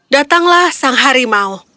datanglah sang harimau